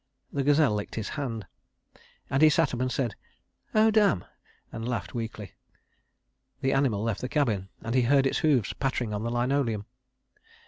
The gazelle licked his hand, and he sat up and said: "Oh, damn!" and laughed weakly. The animal left the cabin, and he heard its hoofs pattering on the linoleum.